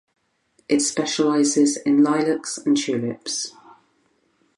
It specializes in lilacs and tulips.